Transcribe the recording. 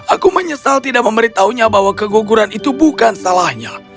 aku menyesal tidak memberitahunya bahwa keguguran itu bukan salahnya